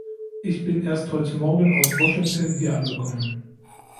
Ich bin erst heute Morgen aus Washington hier angekommen.